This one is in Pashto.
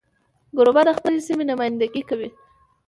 کوربه د خپلې سیمې نمایندګي کوي.